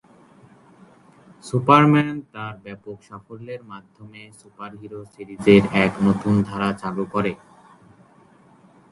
Superman তার ব্যাপক সাফল্যের মাধ্যমে সুপারহিরো সিরিজের এক নতুন ধারা চালু করে।